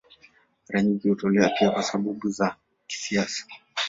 Mara nyingi hutolewa pia kwa sababu za kisiasa.